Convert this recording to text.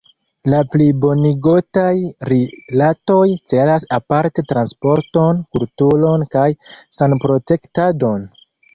La plibonigotaj rilatoj celas aparte transporton, kulturon kaj sanprotektadon.